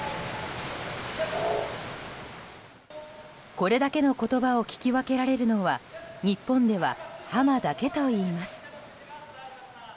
これだけの言葉を聞き分けられるのは日本では、ハマだけといいます。